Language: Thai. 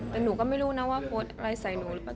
แต่หนูก็ไม่รู้นะว่าโพสต์อะไรใส่หนูหรือเปล่า